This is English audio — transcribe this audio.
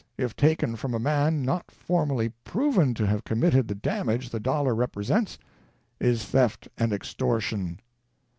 33 1 3, if taken from a man not formally proven to have committed the damage the dollar represents, is "theft and extortion."